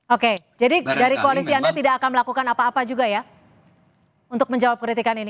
oke jadi dari koalisi anda tidak akan melakukan apa apa juga ya untuk menjawab kritikan ini